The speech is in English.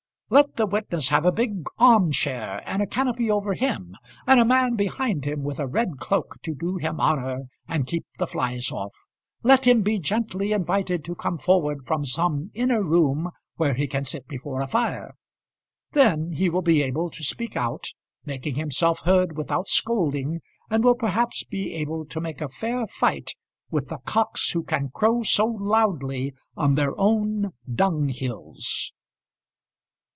Let the witness have a big arm chair, and a canopy over him, and a man behind him with a red cloak to do him honour and keep the flies off; let him be gently invited to come forward from some inner room where he can sit before a fire. Then he will be able to speak out, making himself heard without scolding, and will perhaps be able to make a fair fight with the cocks who can crow so loudly on their own dunghills.